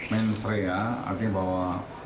mensreya artinya bahwa